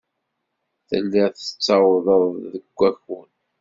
Telliḍ tettawḍeḍ-d deg wakud.